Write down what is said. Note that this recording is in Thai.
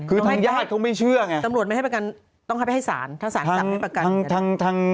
คือทางญาติเขาไม่เชื่อไงตำรวจไม่ให้ประกันต้องให้ไปให้ศาลถ้าสารสั่งให้ประกัน